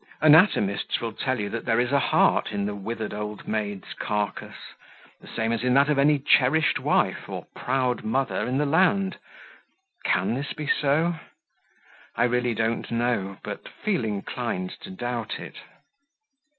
Anatomists will tell you that there is a heart in the withered old maid's carcass the same as in that of any cherished wife or proud mother in the land. Can this be so? I really don't know; but feel inclined to doubt it.